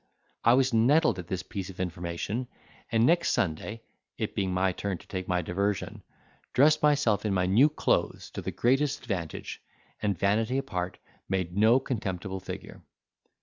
I was nettled at this piece of information, and next Sunday (it being my turn to take my diversion) dressed myself in my new clothes to the greatest advantage, and, vanity apart, made no contemptible figure.